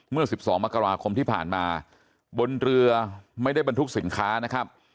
เมื่อ๑๒มกราคมที่ผ่านมาบนเรือไม่ได้บรรทุกสินค้านะครับ